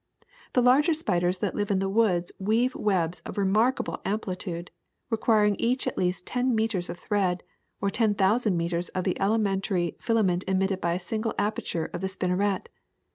The larger spiders that live in woods weave webs of remarkable amplitude, requiring each at least ten meters of thread, or ten thousand meters of the elementary filament emitted by a single aperture of the spinneret.